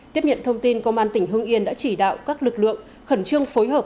tiếp nhận thông tin công an tỉnh hưng yên đã chỉ đạo các lực lượng khẩn trương phối hợp